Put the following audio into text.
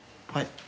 はい。